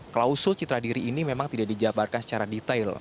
klausul citra diri ini memang tidak dijabarkan secara detail